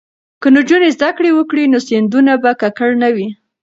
که نجونې زده کړې وکړي نو سیندونه به ککړ نه وي.